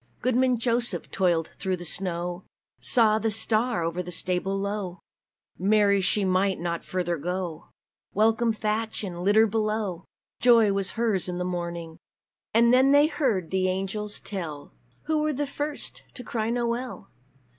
Goodman Joseph toiled through the snow Saw the star o'er a stable low; Mary she might not further go Welcome thatch, and litter below! Joy was hers in the morning! And then they heard the angels tell "Who were the first to cry NOWELL?